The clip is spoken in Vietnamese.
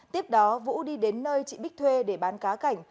tiếp đó vũ đi đến nơi chị bích thuê để bán cá cảnh